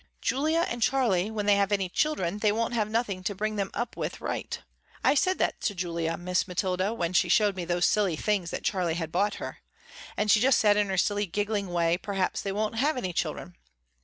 Julia and Charley when they have any children they won't have nothing to bring them up with right. I said that to Julia, Miss Mathilda, when she showed me those silly things that Charley bought her, and she just said in her silly, giggling way, perhaps they won't have any children.